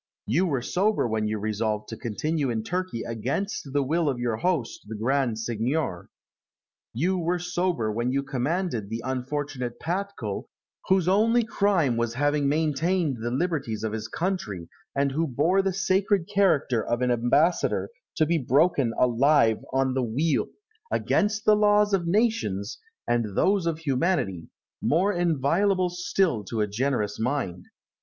You were sober when you resolved to continue in Turkey against the will of your host, the Grand Signor. You were sober when you commanded the unfortunate Patkull, whose only crime was his having maintained the liberties of his country, and who bore the sacred character of an ambassador, to be broken alive on the wheel, against the laws of nations, and those of humanity, more inviolable still to a generous mind.